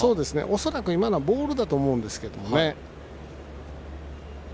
恐らく今のはボールだと思うんですけどもね。